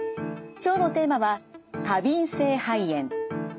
今日のテーマは「過敏性肺炎」。